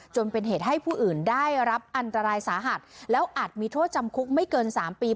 จนเป็นเหตุให้ผู้อื่นได้รับอันตรายสาหัสแล้วอาจมีโทษจำคุกไม่เกิน๓ปี